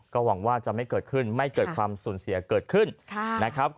ก็หวังว่าจะไม่เกิดขึ้นไม่เกิดความสูญเสียเกิดขึ้นนะครับ